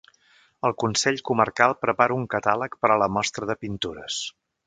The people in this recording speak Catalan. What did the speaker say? El Consell Comarcal prepara un catàleg per a la mostra de pintures.